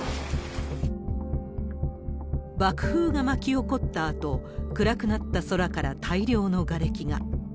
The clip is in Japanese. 爆風が巻き起こったあと、暗くなった空から大量のがれきが。